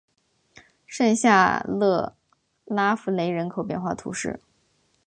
圣夏勒拉福雷人口变化图示